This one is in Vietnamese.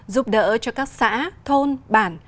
giúp đỡ cho các xã thôn bản